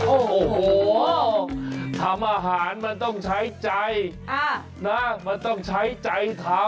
โอ้โหทำอาหารมันต้องใช้ใจนะมันต้องใช้ใจทำ